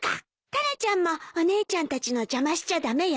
タラちゃんもお姉ちゃんたちの邪魔しちゃ駄目よ。